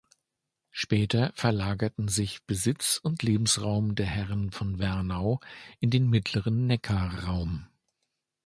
Später verlagerten sich Besitz und Lebensraum der Herren von Wernau in den mittleren Neckarraum.